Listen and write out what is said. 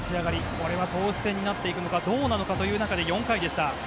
これは投手戦になっていくのかどうなのかというところで４回でした。